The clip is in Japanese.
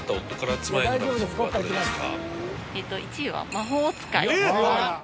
どれですか？